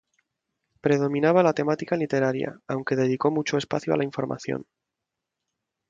Predominaba la temática literaria, aunque dedicó mucho espacio a la información.